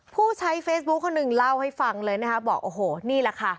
ผู้ใช้เฟซบุ๊คคนหนึ่งเล่าให้ฟังเลยนะคะบอกโอ้โหนี่แหละค่ะ